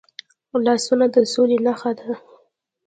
لاسونه د سولې نښه ده